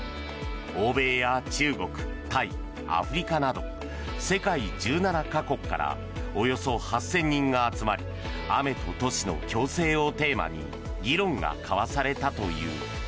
欧米や中国、タイ、アフリカなど世界１７か国からおよそ８０００人が集まり「雨と都市の共生」をテーマに議論が交わされたという。